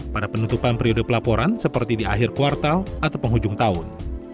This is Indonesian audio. pada penutupan periode pelaporan seperti di akhir kuartal atau penghujung tahun